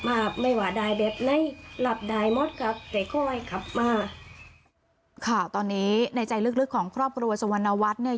ว่าไม่ว่าได้แบบไหนหลับได้หมดครับแต่ค่อยขับมาข่าวตอนนี้ในใจลึกของครอบครัวสวรรณวัฒน์เนี่ย